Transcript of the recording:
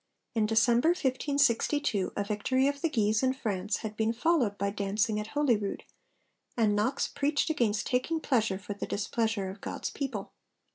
In December 1562 a victory of the Guises in France had been followed by dancing at Holyrood; and Knox preached against 'taking pleasure for the displeasure of God's people.'